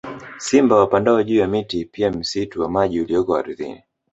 Simba wapandao juu ya miti pia msitu wa maji ulioko ardhini